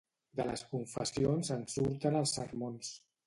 De les confessions en surten els sermons.